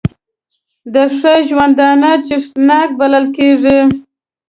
د ښه ژوندانه څښتنان بلل کېږي.